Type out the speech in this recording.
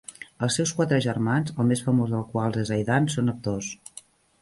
Els seus quatre germans, el més famós dels quals és Aidan, són actors.